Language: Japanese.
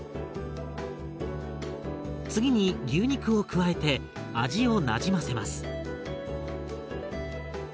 次に牛肉を加えて味をなじませます。